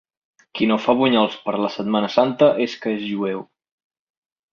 Qui no fa bunyols per la Setmana Santa és que és jueu.